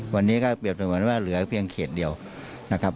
วันนี้ก็เปรียบเสมือนว่าเหลือเพียงเขตเดียวนะครับ